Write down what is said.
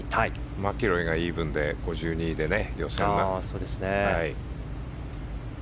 マキロイがイーブンで５２位で予選に。